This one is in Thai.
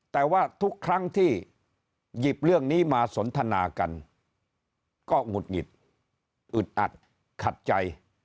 แต่ว่าทุกครั้งที่หยิบเรื่องนี้มาสนทนากันก็หงุดหงิดอึดอัดขัดใจ